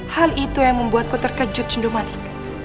hal itu yang membuatku terkejut jendomalik